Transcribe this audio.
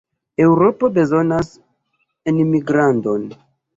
Eŭropo bezonas enmigradon.